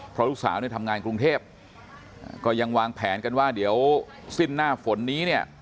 เพราะลูกสาวเนี่ยทำงานกรุงเทพก็ยังวางแผนกันว่าเดี๋ยวสิ้นหน้าฝนนี้เนี่ย